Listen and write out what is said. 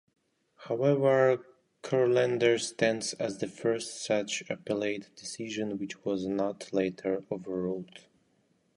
However, "Curlender" stands as the first such appellate decision which was "not" later overruled.